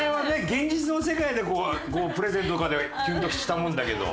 現実の世界でプレゼントとかでキュンとしたもんだけど。